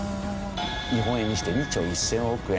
日本円にして２兆１０００億円。